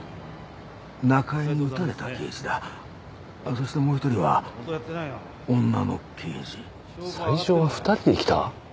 そしてもう１人は女の刑事最初は２人で来た？